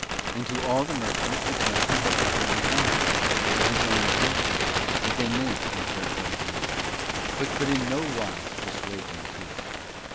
And to all the merchants the captain had offered the wine of his own country, that they make in fair Belzoond, but could in no wise persuade them to it.